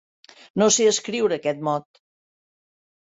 No sé escriure aquest mot.